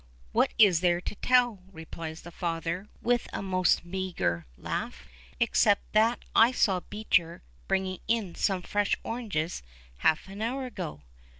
"What is there to tell?" replies his father with a most meagre laugh, "except that I saw Beecher bringing in some fresh oranges half an hour ago.